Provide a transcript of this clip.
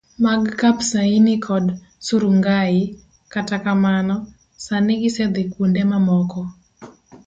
mag Kipsaina kod Surungai, kata kamano, sani gisedhi kuonde mamoko.